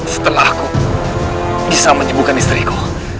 setelah aku bisa menyebukkan istriku